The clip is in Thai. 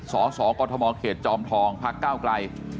สสกฎมเขตจอมทองพเก้ากลาย